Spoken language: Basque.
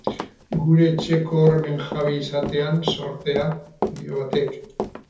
Gure etxeko hormen jabe izatean zortea, dio batek.